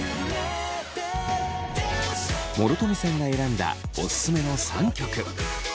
諸富さんが選んだオススメの３曲。